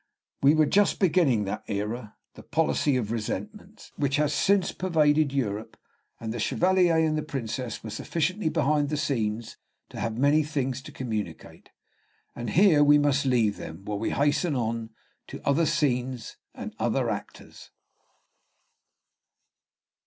We were just beginning that era, "the policy of resentments," which has since pervaded Europe, and the Chevalier and the Princess were sufficiently behind the scenes to have many things to communicate; and here we must leave them while we hasten on to other scenes and other actors.